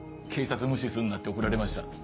警察無視すんなって怒られました？